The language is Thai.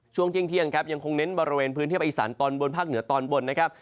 ช่วงเที่ยงครับยังคงเน้นบริเวณพื้นที่ภาคอีสานตอนบนภาคเหนือตอนบนนะครับ